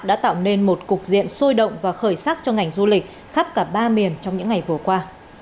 đã tạo nên một cục diện sôi động và khởi sắc cho ngành du lịch khắp cả ba miền trong những ngày vừa qua